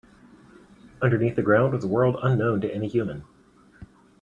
Underneath the ground was a world unknown to any human.